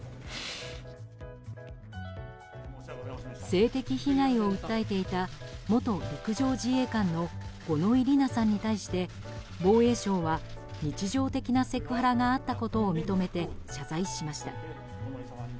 性的被害を訴えていた元陸上自衛官の五ノ井里奈さんに対して防衛省は日常的なセクハラがあったことを認めて謝罪しました。